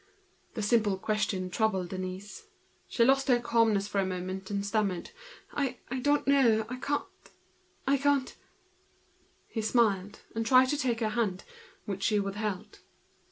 This simple question troubled Denise. She lost her calmness for a moment, and stammered: "I don't know—I can't—" He smiled, and tried to take her hand, which she withheld.